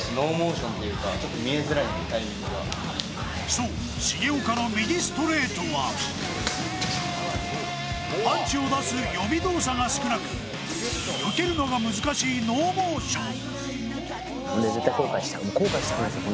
そう、重岡の右ストレートはパンチを出す予備動作が少なくよけるのが難しいノーモーション。